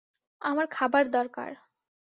আমার খাবার দরকার।